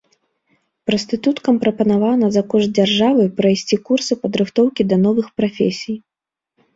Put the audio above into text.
Прастытуткам прапанавана за кошт дзяржавы прайсці курсы падрыхтоўкі да новых прафесій.